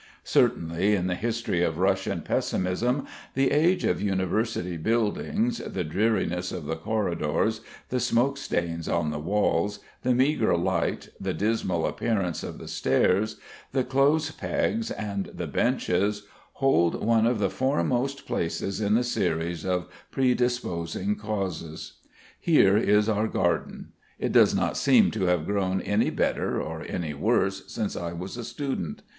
Certainly, in the history of Russian pessimism, the age of university buildings, the dreariness of the corridors, the smoke stains on the walls, the meagre light, the dismal appearance of the stairs, the clothes pegs and the benches, hold one of the foremost places in the series of predisposing causes. Here is our garden. It does not seem to have grown any better or any worse since I was a student.